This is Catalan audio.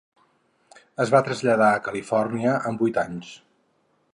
Es va traslladar a Califòrnia amb vuit anys.